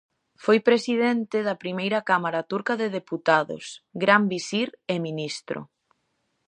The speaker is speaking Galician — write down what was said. Foi Presidente da primeira cámara turca de deputados, Gran Visir e ministro.